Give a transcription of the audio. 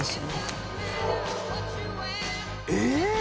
えっ！